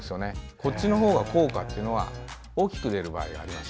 こっちのほうが効果は大きく出る場合があります。